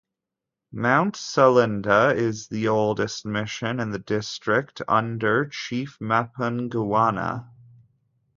Mount Selinda is the Oldest Mission in the District, under Chief Mapungwana.